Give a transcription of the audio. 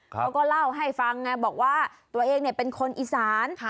เขาก็เล่าให้ฟังไงบอกว่าตัวเองเป็นคนอีสาน